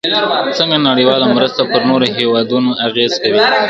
څنګه نړیواله مرسته پر نورو هیوادونو اغیز کوي؟